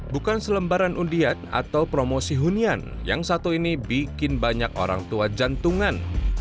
bukan selembaran undian atau promosi hunian yang satu ini bikin banyak orang tua jantungan